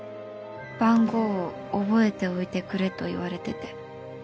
番号を覚えておいてくれと言われてて。